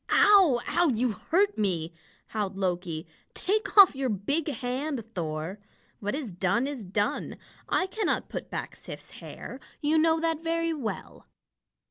"Ow ow! You hurt me!" howled Loki. "Take off your big hand, Thor. What is done, is done. I cannot put back Sif's hair. You know that very well."